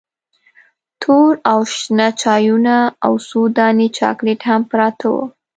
تور او شنه چایونه او څو دانې چاکلیټ هم پراته وو.